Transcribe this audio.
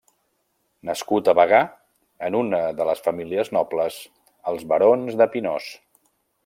Nascut a Bagà, en una de les famílies nobles, els barons de Pinós.